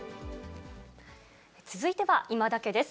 続いてはいまダケッです。